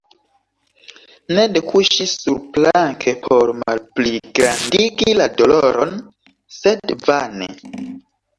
Ned kuŝis surplanke por malpligrandigi la doloron, sed vane.